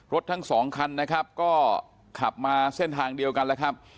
รถทั้ง๒คันนะครับก็ขับมาเส้นทางเดียวกันนะครับ